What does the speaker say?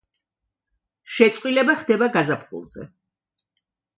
შეწყვილება ხდება გაზაფხულზე.